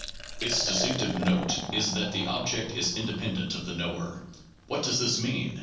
Its distinctive note is that the object is independent of the knower. What does this mean